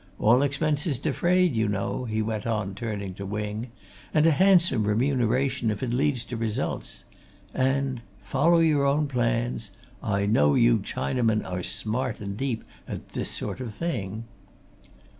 All expenses defrayed, you know," he went on, turning to Wing, "and a handsome remuneration if it leads to results. And follow your own plans! I know you Chinamen are smart and deep at this sort of thing!"